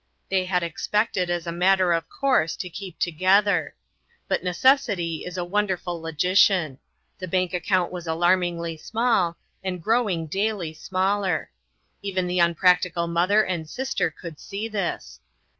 They had expected, as a matter of course, to keep together. But necessity is a won derful logician. The bank account was alarm ingly small, and growing daily smaller. Even the unpractical mother and sister could see this.